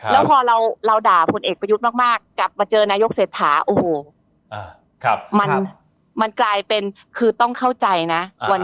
แล้วพอเราด่าผลเอกประยุทธ์มากกลับมาเจอนายกเศรษฐาโอ้โหมันกลายเป็นคือต้องเข้าใจนะ